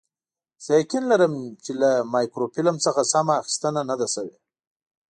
زه یقین لرم چې له مایکروفیلم څخه سمه اخیستنه نه ده شوې.